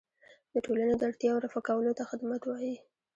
د ټولنې د اړتیاوو رفع کولو ته خدمت وایي.